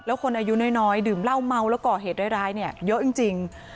แล้วคนอายุน้อยดื่มเหล้าเมาแล้วก่อเหตุร้ายเนี่ยเยอะจริง